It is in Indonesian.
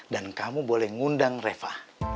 dan kamu boleh ngundang reva